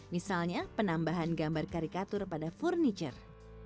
misalnya penambahan gambar karikatur pada furniture